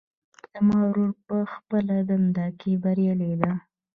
زما ورور په خپله دنده کې بریالۍ ده